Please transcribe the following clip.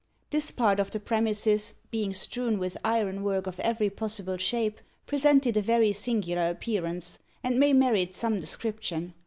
This part of the premises, being strewn with ironwork of every possible shape, presented a very singular appearance, and may merit some description.